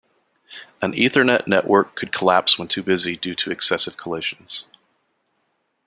An Ethernet network could collapse when too busy due to excessive collisions.